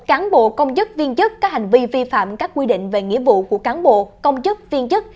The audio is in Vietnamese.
cán bộ công chức viên chức có hành vi vi phạm các quy định về nghĩa vụ của cán bộ công chức viên chức